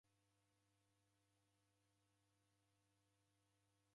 Kwaw'edeka msara na Malungu?